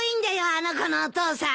あの子のお父さん。